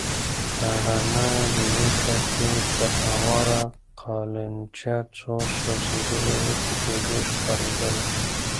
په رڼه لېکه کې پر هواره قالينچه څو سوځېدلې وچې ډوډۍ ښکارېدلې.